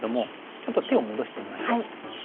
ちょっと手を戻してみましょう。